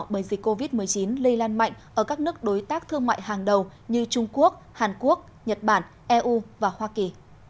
bởi dịch covid một mươi chín lây lan mạnh ở các nước đối tác thương mại hàng đầu như trung quốc hàn quốc nhật bản eu và hoa kỳ